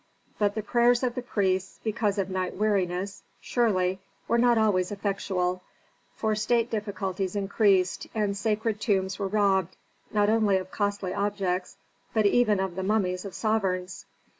But the prayers of the priests, because of night weariness, surely, were not always effectual, for state difficulties increased, and sacred tombs were robbed, not only of costly objects, but even of the mummies of sovereigns.